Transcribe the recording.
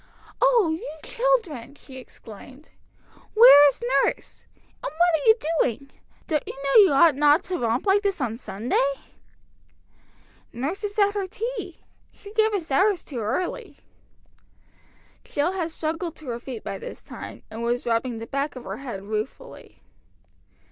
"Oh, you children!" she exclaimed. "Where is nurse? And what are you doing? Don't you know you ought not to romp like this on Sunday?" "Nurse is at her tea. She gave us ours too early." Jill had struggled to her feet by this time, and was rubbing the back of her head ruefully.